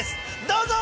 どうぞ！